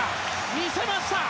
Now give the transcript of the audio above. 見せました！